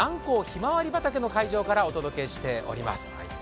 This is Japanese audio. ひまわり畑の会場からお届けしております。